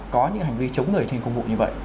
có những hành vi chống người thành công vụ như vậy